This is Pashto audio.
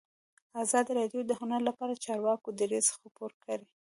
ازادي راډیو د هنر لپاره د چارواکو دریځ خپور کړی.